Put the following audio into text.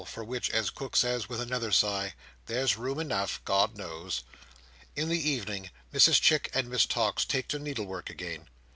for which, as Cook says with another sigh, "There's room enough, God knows." In the evening, Mrs Chick and Miss Tox take to needlework again.